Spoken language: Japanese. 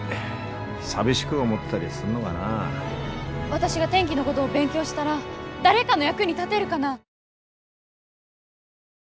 私が天気のごどを勉強したら誰かの役に立てるかな？